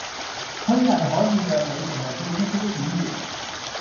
虛偽可以讓你成為最出色的演員